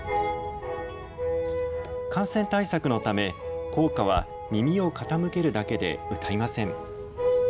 感染対策のため校歌は耳を傾けるだけで歌いません。